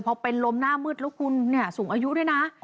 เพราะเป็นลมหน้ามืดแล้วคุณสูงอายุด้วยนะ